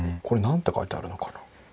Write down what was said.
これ何て書いてあるのかな？